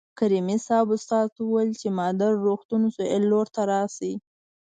کریمي صیب استاد ته وویل چې مادر روغتون سویل لور ته راشئ.